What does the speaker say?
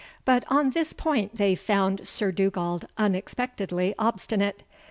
But on this point they found Sir Dugald unexpectedly obstinate.